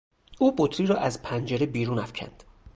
او بطری را از پنجره بیرون افکند.